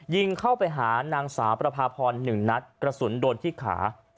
ยิงเข้าไปหานางสาวประพาพร๑นัดกระสุนโดนที่ขา